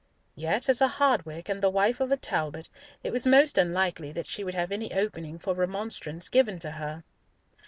Yet as a Hardwicke, and the wife of a Talbot, it was most unlikely that she would have any opening for remonstrance given to her.